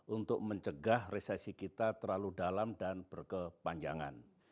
untuk mencegah resesi kita terlalu dalam dan berkepanjangan